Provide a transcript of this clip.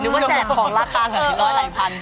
รู้ว่าแจกหอมราคาเหล่าหลายทรายพัน